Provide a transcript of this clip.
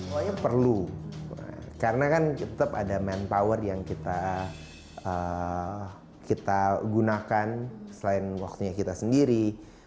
pokoknya perlu karena kan tetap ada manpower yang kita gunakan selain waktunya kita sendiri